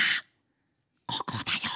ここだよ